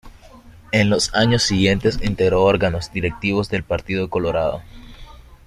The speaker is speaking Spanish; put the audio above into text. En los años siguientes integró órganos directivos del Partido Colorado.